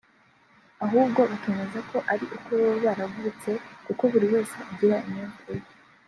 ahubwo bakemeza ko ari uko baba baravutse kuko buri wese agira imyumvire ye